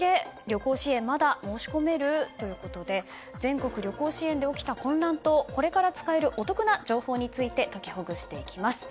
旅行支援まだ申し込める？ということで全国旅行支援で起きた混乱とこれから使えるお得な情報について解きほぐしていきます。